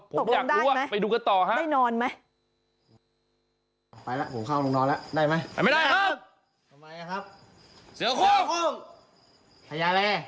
ผมอยากรู้อ่ะไปดูกันต่อฮะต้องได้มั้ยได้นอนมั้ย